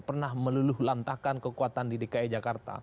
pernah meluluh lantahkan kekuatan didikai jakarta